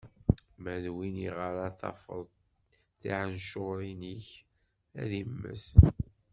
Ma d win iɣer ara tafeḍ tiɛencuṛin-ik, ad immet!